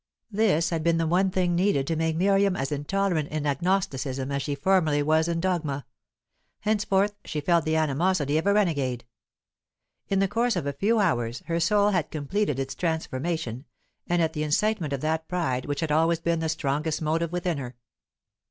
This had been the one thing needed to make Miriam as intolerant in agnosticism as she formerly was in dogma. Henceforth she felt the animosity of a renegade. In the course of a few hours her soul had completed its transformation, and at the incitement of that pride which had always been the strongest motive within her.